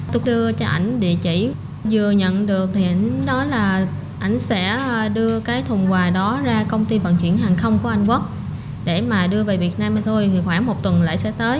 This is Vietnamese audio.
tôi đưa cho ảnh địa chỉ vừa nhận được thì ảnh nói là ảnh sẽ đưa cái thùng quà đó ra công ty bằng chuyển hàng không của anh quốc để mà đưa về việt nam thôi khoảng một tuần lại sẽ tới